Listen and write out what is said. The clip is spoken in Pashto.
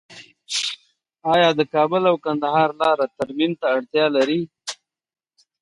آیا د کابل او کندهار لاره ترمیم ته اړتیا لري؟